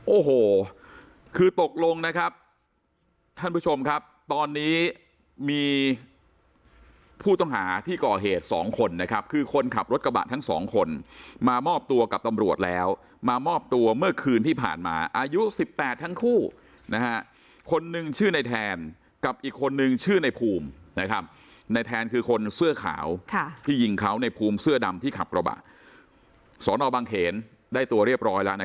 โอ้โหคือตกลงนะครับท่านผู้ชมครับตอนนี้มีผู้ต้องหาที่ก่อเหตุสองคนนะครับคือคนขับรถกระบะทั้งสองคนมามอบตัวกับตำรวจแล้วมามอบตัวเมื่อคืนที่ผ่านมาอายุ๑๘ทั้งคู่คนหนึ่งชื่อในแทนกับอีกคนนึงชื่อในภูมินะครับในแทนคือคนเสื้อขาวที่ยิงเขาในภูมิเสื้อดำที่ขับกระบะสอนอบังเขนได้ตัวเรียบร้อยแล้ว